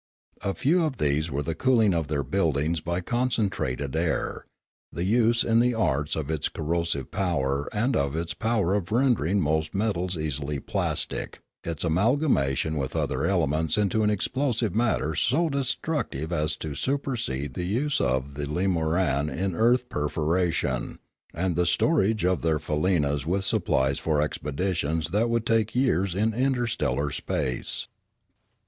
A few of these were the cooling of their buildings by concen trated air, the use in the arts of its corrosive power and of its power of rendering most metals easily plastic, its amalgamation with other elements into an explosive matter so destructive as to supersede the use of the leomoran in earth perforation, and the storage of their faleenas with supplies for expeditions that would take years in interstellar space.